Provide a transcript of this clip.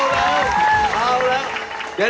เอาทะครับเอาล่ะเอาล่ะ